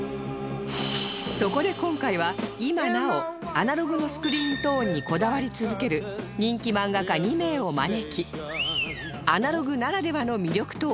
そこで今回は今なおアナログのスクリーントーンにこだわり続ける人気漫画家２名を招き